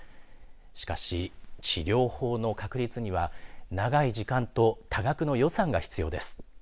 しかし、治療法の確立には長い時間と多額の予算が必要です。